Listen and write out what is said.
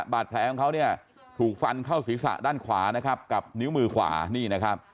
บาดแผลของเขาเนี่ยถูกฟันเข้าศีรษะด้านขวานะครับกับนิ้วมือขวานี่นะครับ